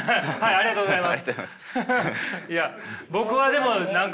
ありがとうございます。